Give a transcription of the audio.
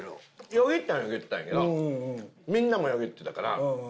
よぎったんはよぎったんやけどみんなもよぎってたから。